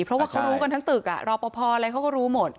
เพราะว่าเขารู้กันทั้งตึกรอปภอะไรเขาก็รู้หมด